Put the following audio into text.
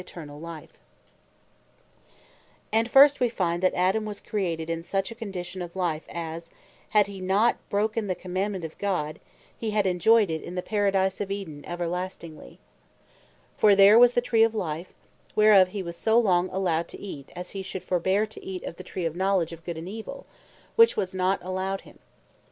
Place Of Adams Eternity If He Had Not Sinned, The Terrestrial Paradise And first we find, that Adam was created in such a condition of life, as had he not broken the commandement of God, he had enjoyed it in the Paradise of Eden Everlastingly. For there was the Tree of Life; whereof he was so long allowed to eat, as he should forbear to eat of the tree of Knowledge of Good an Evill; which was not allowed him.